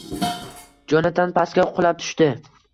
Jonatan pastga qulab tushdi